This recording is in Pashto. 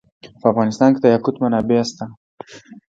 په افغانستان کې د یاقوت منابع شته.